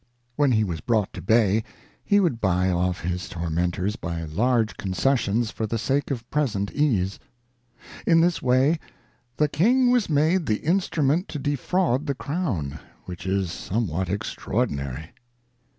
When he was brought to bay, he would buy off his tormentors by large con cessions for the sake of present ease. In this way ' the King was made the Instrument to defraud the Crown, which is somewhat extraordinary.'